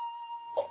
あっ。